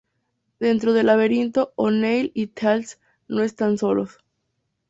Dentro del laberinto, O'Neill y Teal'c no están solos.